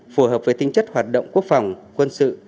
phù hợp với tinh chất hoạt động quốc phòng quân sự